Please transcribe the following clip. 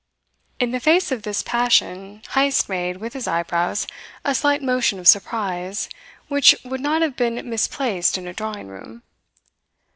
In the face of this passion Heyst made, with his eyebrows, a slight motion of surprise which would not have been misplaced in a drawing room.